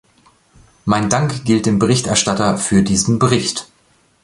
Mein Dank gilt dem Berichterstatter für diesen Bericht.